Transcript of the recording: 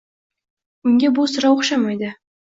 Unga bu sira o‘xshamaydi.